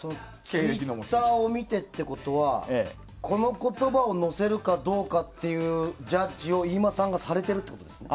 ツイッターを見てってことはこの言葉を載せるかどうかというジャッジを飯間さんがされているということですね。